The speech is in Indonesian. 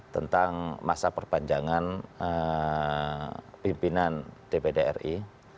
tentang masa perpanjangan pimpinan dpd ri